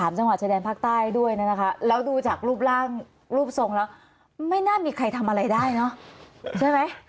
จังหวัดชายแดนภาคใต้ด้วยนะคะแล้วดูจากรูปร่างรูปทรงแล้วไม่น่ามีใครทำอะไรได้เนอะใช่ไหม